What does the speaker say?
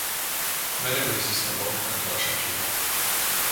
Mereu există loc pentru așa ceva.